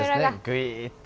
ぐいっと。